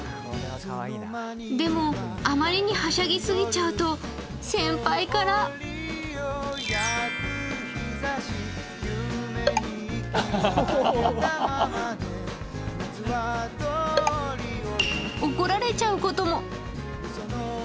でも、あまりにはしゃぎ過ぎちゃうと先輩から怒られちゃうことも。